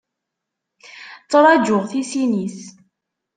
Ttṛaǧǧuɣ tisin-is.